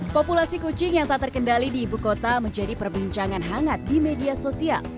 populasi kucing yang tak terkendali di ibu kota menjadi perbincangan hangat di media sosial